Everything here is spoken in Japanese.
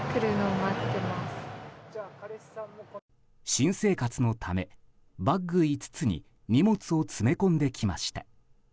新生活のため、バッグ５つに荷物を詰め込んできました。